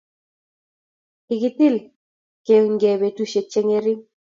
Kikitil keunykei betusiek che ngering